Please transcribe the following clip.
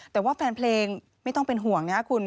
แต่ว่าแฟนเพลงไม่ต้องเป็นห่วงนะครับคุณ